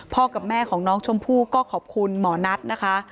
กับแม่ของน้องชมพู่ก็ขอบคุณหมอนัทนะคะ